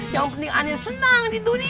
yang penting ana senang di dunia